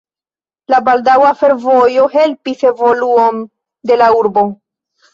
La baldaŭa fervojo helpis evoluon de la urbo.